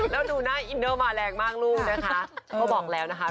แล้วดูหน้าอินเดอร์มาแหลงมากลูกนะคะ